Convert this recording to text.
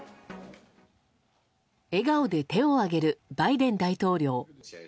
笑顔で手を上げるバイデン大統領。